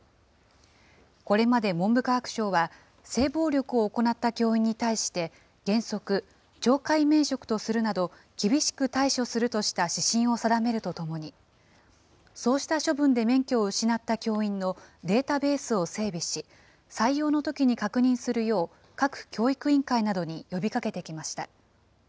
これまで文部科学省は、性暴力を行った教員に対して、原則、懲戒免職とするなど厳しく対処するとした指針を定めるとともに、そうした処分で免許を失った教員のデータベースを整備し、採用のときに確認するよう各教育委員会などに呼びかけてきました。